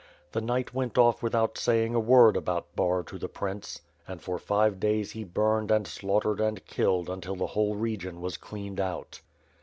The knight went off without saying a word about Bar to the prince; and for five days he burned and slaught ered and killed until the whole region was cleaned out.